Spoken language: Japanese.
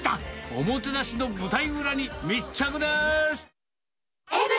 おもてなしの舞台裏に密着でーす。